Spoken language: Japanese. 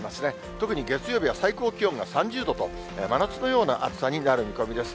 特に月曜日は最高気温が３０度と、真夏のような暑さになる見込みです。